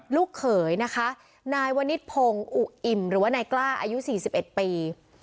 ลูกเขยนะคะนายวนิษพงศ์อุอิ่มหรือว่านายกล้าอายุ๔๑ปี